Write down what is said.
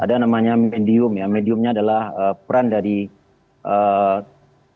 ada namanya medium ya mediumnya adalah peran dari eee